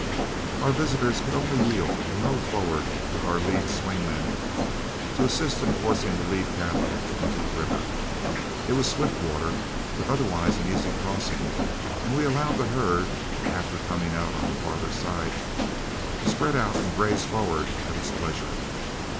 Our visitors could only yield, and rode forward with our lead swing men to assist in forcing the lead cattle into the river. It was swift water, but otherwise an easy crossing, and we allowed the herd, after coming out on the farther side, to spread out and graze forward at its pleasure.